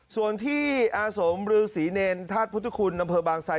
ส่วนที่อาสมรือศรีเนรธาตุพุทธคุณอำเภอบางไซ